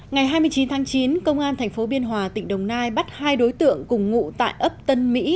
ngày hai mươi chín tháng chín công an tp biên hòa tỉnh đồng nai bắt hai đối tượng cùng ngụ tại ấp tân mỹ